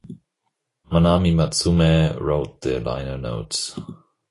Manami Matsumae wrote the liner notes.